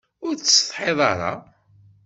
Ur tsetḥiḍ ara?